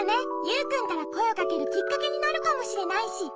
ユウくんからこえをかけるきっかけになるかもしれないし。